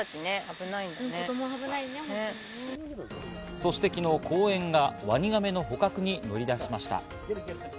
そして昨日、公園がワニガメの捕獲に乗り出しました。